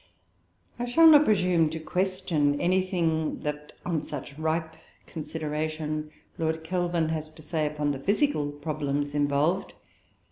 I shall not presume to question anything, that on such ripe consideration, Lord Kelvin has to say upon the physical problems involved.